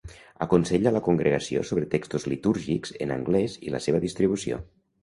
Aconsella la Congregació sobre textos litúrgics en anglès i la seva distribució.